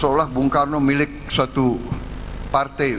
bahwa seolah bungkus milik satu partai